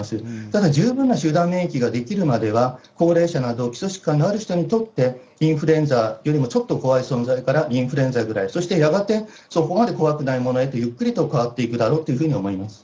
ただ、十分な集団免疫が出来るまでは、高齢者など、基礎疾患のある人にとって、インフルエンザよりもちょっと怖い存在から、インフルエンザぐらい、そしてやがてそこまで怖くないものへと、ゆっくりと変わっていくだろうというふうに思います。